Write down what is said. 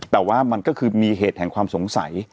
แต่ว่ามันก็คือมีเหตุแห่งความสงสัย